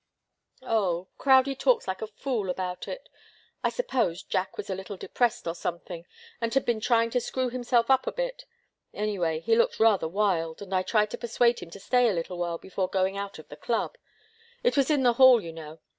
"Oh Crowdie talks like a fool about it. I suppose Jack was a little depressed, or something, and had been trying to screw himself up a bit. Anyway, he looked rather wild, and I tried to persuade him to stay a little while before going out of the club it was in the hall, you know.